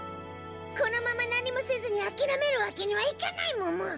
このまま何もせずに諦めるわけにはいかないモモ。